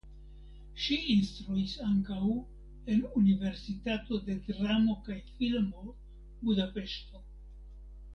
Ŝi instruis ankaŭ en Universitato de Dramo kaj Filmo (Budapeŝto).